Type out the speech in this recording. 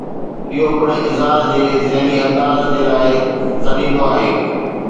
اهو پڻ اظهار جي ذيلي انداز جي لاء سڏيندو آهي.